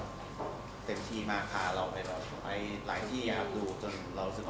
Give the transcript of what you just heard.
บรรยากาศดีมากด้วยข้างนอกแบบดีไหมครับชอบไหมครับชอบ